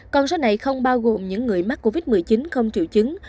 con số này không bao gồm những người mắc covid một mươi chín không triệu chứng